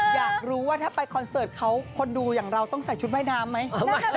อยากรู้ว่าถ้าไปคอนเสิร์ตเขาคนดูอย่างเราต้องใส่ชุดว่ายน้ำไหม